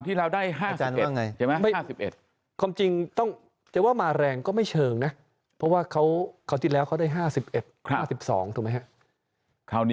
ที่เราได้๕๑ความจริงแต่ว่ามาแรงก็ไม่เชิงนะเพราะว่าเขาเขาที่แล้วเขาได้๕๑๕๒ถูกไหมครับ